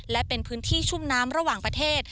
และเป็นพื้นที่ชุ่มน้ำระหว่างประเทศ